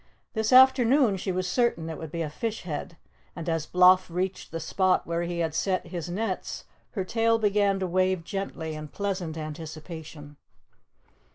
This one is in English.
This afternoon she was certain it would be a fish head, and as Bloff reached the spot where he had set his nets her tail began to wave gently in pleasant anticipation.